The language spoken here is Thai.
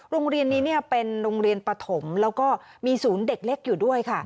โรงเรียนนี้เป็นโรงเรียนปฐมแล้วก็มีศูนย์เด็กเล็กอยู่ด้วยค่ะ